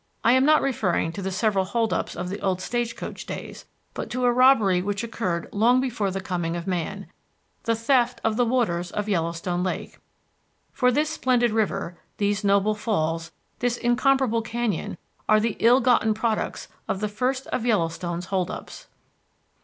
I am not referring to the several hold ups of the old stage coach days, but to a robbery which occurred long before the coming of man the theft of the waters of Yellowstone Lake; for this splendid river, these noble falls, this incomparable canyon, are the ill gotten products of the first of Yellowstone's hold ups.